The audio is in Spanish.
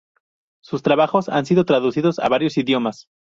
Sus trabajos han sido traducidos a varios idiomas.